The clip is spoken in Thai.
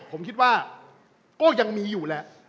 ผมคิดว่าก็ยังมีอยู่แหละ